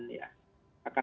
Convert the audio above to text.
tukungan partai ke pemerintahan